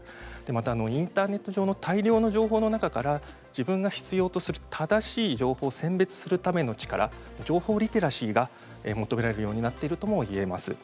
またインターネット上の大量の情報の中から自分が必要とする正しい情報を選別するための力情報リテラシーが求められるようになっているとも言えます。